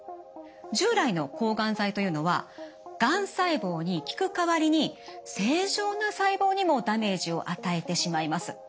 従来の抗がん剤というのはがん細胞に効く代わりに正常な細胞にもダメージを与えてしまいます。